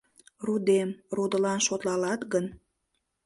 Родем, родылан шотлалат гын